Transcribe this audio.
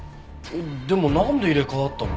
でもなんで入れ替わったの？